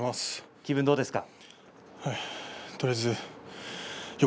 気分はどうですか。